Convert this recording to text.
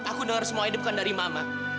aku dengar semua hidupkan dari mama